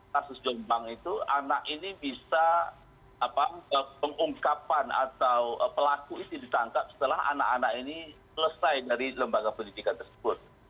kasus jombang itu anak ini bisa pengungkapan atau pelaku itu ditangkap setelah anak anak ini selesai dari lembaga pendidikan tersebut